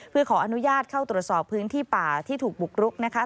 เพื่อขออนุญาตเข้าตรวจสอบพื้นที่ป่าที่ถูกบุกรุกนะคะ